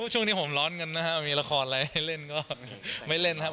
ช่วงนี้ผมร้อนกันนะครับมีละครอะไรให้เล่นก็ไม่เล่นครับ